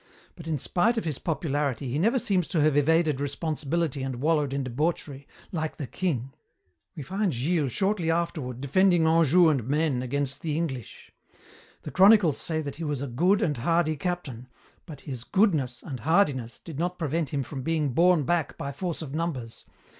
But in spite of his popularity he never seems to have evaded responsibility and wallowed in debauchery, like the king. We find Gilles shortly afterward defending Anjou and Maine against the English. The chronicles say that he was 'a good and hardy captain,' but his 'goodness' and 'hardiness' did not prevent him from being borne back by force of numbers.